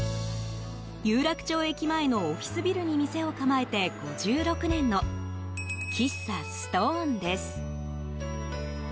有楽町駅前のオフィスビルに店を構えて５６年の喫茶ストーンです。